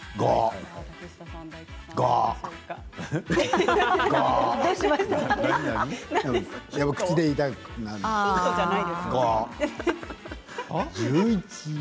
「５」「１１」口で言いたくなる。